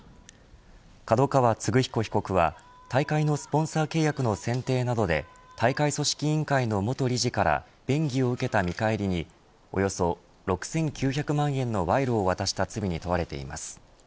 角川歴彦被告は大会のスポンサー契約の選定などで大会組織委員会の元理事から便宜を受けた見返りにおよそ６９００万円の賄賂を渡した罪に問われています。